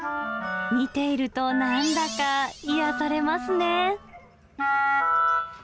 見ていると、なんだか癒やされますね。